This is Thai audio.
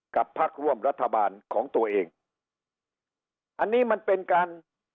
พักร่วมรัฐบาลของตัวเองอันนี้มันเป็นการ